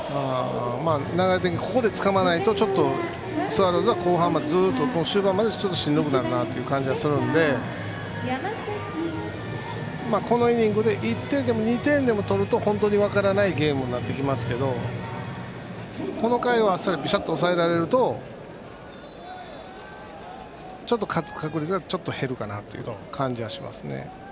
流れ的に、ここでつかまないとちょっとスワローズは後半、ずっと終盤までしんどくなるなという感じがするのでこのイニングで１点でも２点でも取ると本当に分からないゲームになってきますけどこの回をあっさり抑えられると勝つ確率がちょっと減るかなという感じはしますね。